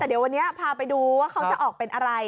แต่เดี๋ยววันนี้พาไปดูว่าเขาจะออกเป็นอะไร